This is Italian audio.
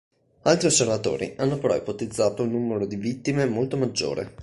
Altri osservatori hanno però ipotizzato un numero di vittime molto maggiore.